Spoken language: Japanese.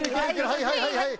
はいはいはいはい！